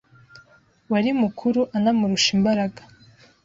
wari mukuru anamurusha imbaraga.